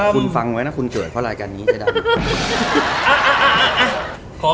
คุณฟังไว้นะคุณเกรใหญ่พอรายการนี้เจ๊ดัม